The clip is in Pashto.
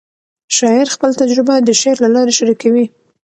شاعر خپل تجربه د شعر له لارې شریکوي.